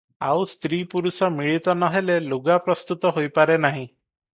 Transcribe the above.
ଆଉ ସ୍ତ୍ରୀ ପୁରୁଷ ମିଳିତ ନହେଲେ ଲୁଗା ପ୍ରସ୍ତୁତ ହୋଇପାରେ ନାହିଁ ।